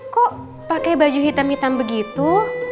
kok pakai baju hitam hitam begitu